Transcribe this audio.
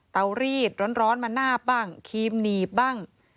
รีดร้อนมานาบบ้างครีมหนีบบ้าง